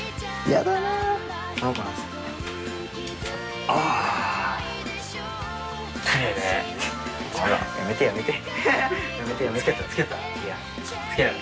やめてやめて。